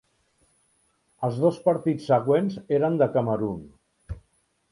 Els dos partits següents eren de Camerun.